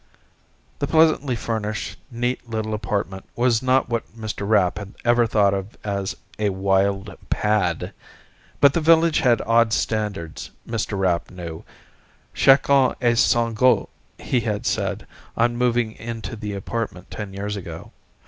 The pleasantly furnished, neat little apartment was not what Mr. Rapp had ever thought of as a "wild pad." But the Village had odd standards, Mr. Rapp knew. Chacun a son gout, he had said, on moving into the apartment ten years ago.